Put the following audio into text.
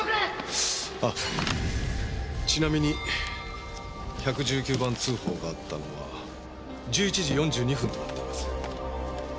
あっちなみに１１９番通報があったのは１１時４２分となっています。